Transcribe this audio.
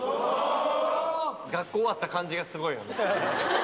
学校終わった感じがすごいよね。